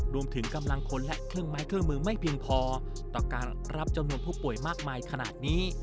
กำลังคนและเครื่องไม้เครื่องมือไม่เพียงพอต่อการรับจำนวนผู้ป่วยมากมายขนาดนี้